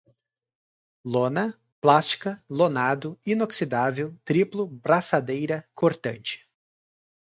lona, plástica, lonado, inoxidável, triplo, braçadeira, cortante